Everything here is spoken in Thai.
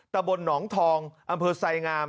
ตะบนหนองทองอำเภอไสงาม